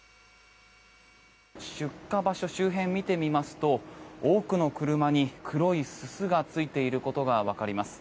出火場所周辺を見てみますと多くの車に黒いすすがついていることがわかります。